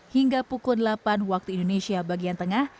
hingga pukul delapan waktu indonesia bagian tengah